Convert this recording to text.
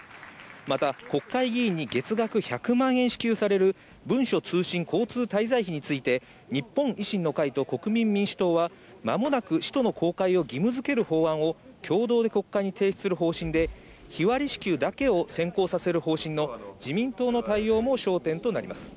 また、国会議員に月額１００万円支給される文書通信交通滞在費について日本維新の会と国民民主党は間もなく使途の公開を義務づける法案を共同で国会に提出する方針で、日割り支給だけを先行させる方針の自民党の対応も焦点となります。